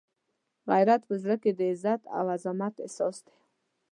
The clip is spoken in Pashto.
غیرت په زړه کې د عزت او عزمت احساس دی.